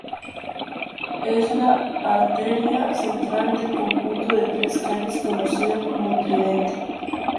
Es la arteria central del conjunto de tres calles conocido como Tridente.